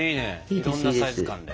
いろんなサイズ感で。